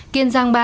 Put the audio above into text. kiên giang ba